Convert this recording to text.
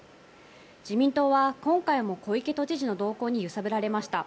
自民党は今回も小池都知事の動向に揺さぶられました。